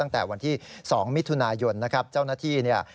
ตั้งแต่วันที่๒มิถุนายนนะครับเจ้าหน้าที่เนี่ย